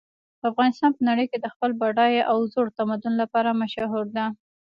افغانستان په نړۍ کې د خپل بډایه او زوړ تمدن لپاره مشهور ده